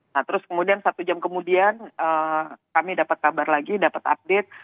nah terus kemudian satu jam kemudian kami dapat kabar lagi dapat update